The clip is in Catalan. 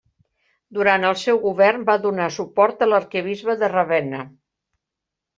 Durant el seu govern va donar suport a l'arquebisbe de Ravenna.